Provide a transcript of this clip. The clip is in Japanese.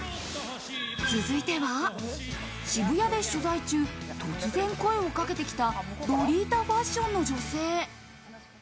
続いては渋谷で取材中、突然声をかけてきたロリータファッションの女性。